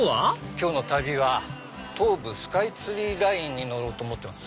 今日の旅は東武スカイツリーラインに乗ろうと思ってます。